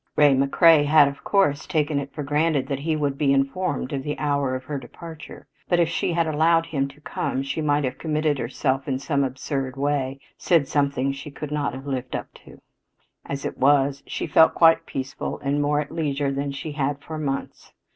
Ray McCrea had, of course, taken it for granted that he would be informed of the hour of her departure, but if she had allowed him to come she might have committed herself in some absurd way said something she could not have lived up to. As it was, she felt quite peaceful and more at leisure than she had for months.